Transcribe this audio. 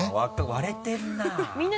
割れてるな。